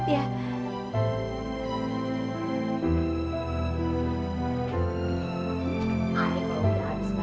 aku mau yang manis manis